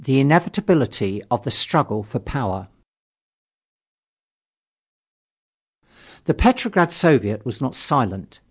INEVITABILITY OF THE STRUGGLE FOR POWER The Petrograd Soviet was not silent.